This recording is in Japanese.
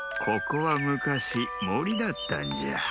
ここはむかしもりだったんじゃ。